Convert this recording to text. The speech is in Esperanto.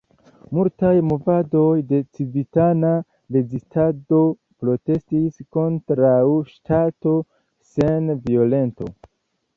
Multaj movadoj de civitana rezistado protestis kontraŭ ŝtato sen violento.